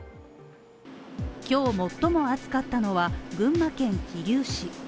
今日、最も暑かったのは群馬県桐生市。